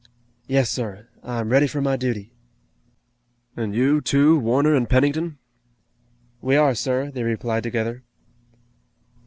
"Yes, sir; I'm ready for my duty." "And you, too, Warner and Pennington?" "We are, sir," they replied together.